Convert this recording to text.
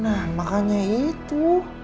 nah makanya itu